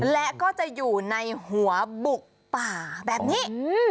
และก็จะอยู่ในหัวบุกป่าแบบนี้